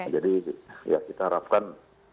jadi ya kita harapkan